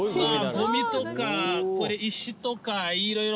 ゴミとかこれ石とかいろいろ。